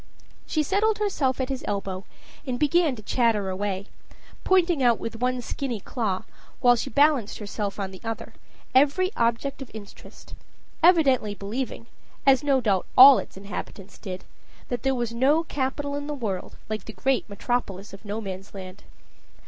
She settled herself at his elbow, and began to chatter away, pointing out with one skinny claw, while she balanced herself on the other, every object of interest, evidently believing, as no doubt all its inhabitants did, that there was no capital in the world like the great metropolis of Nomansland.